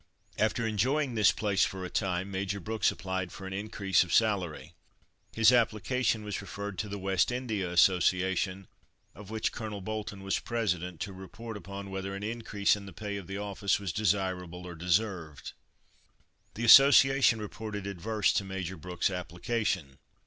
After enjoying this place for a time, Major Brooks applied for an increase of salary. His application was referred to the West India Association, of which Colonel Bolton was President, to report upon whether an increase in the pay of the office was desirable or deserved. The Association reported adverse to Major Brooks' application.